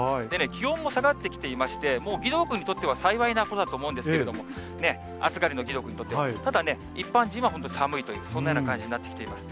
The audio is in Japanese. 気温も下がってきていまして、もう義堂君にとっては幸いなことだと思うんですけれども、暑がりの義堂君にとっては、ただ、一般人にとっては寒いという、そんなような感じになってきています。